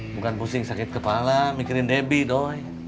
bukan pusing sakit kepala mikirin debi doi